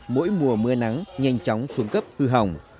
mỗi mùa mưa nắng nhanh chóng xuống cấp hư hỏng